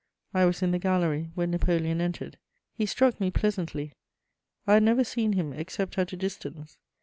I was in the gallery when Napoleon entered: he struck me pleasantly; I had never seen him except at a distance.